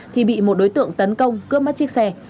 thì bị một đối tượng tấn công cướp mất chiếc xe